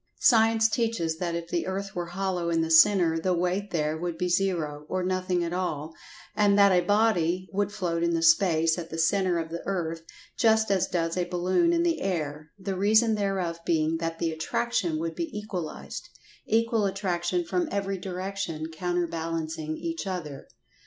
Science teaches that if the earth were hollow in the centre, the weight there would be Zero, or nothing at all, and that a body would float in the space at the centre of the earth just as does[Pg 140] a balloon in the air, the reason thereof being that the attraction would be equalized—equal attraction from every direction, counterbalancing each other.